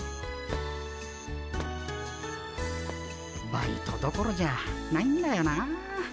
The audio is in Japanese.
バイトどころじゃないんだよなあ。